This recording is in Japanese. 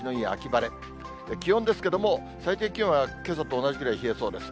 気温ですけれども、最低気温はけさと同じくらい冷えそうです。